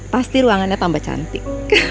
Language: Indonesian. pasti ruangannya tambah cantik